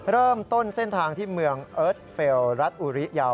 เริ่มต้นเส้นทางที่เมืองเอิร์ทเฟลรัฐอุริยาว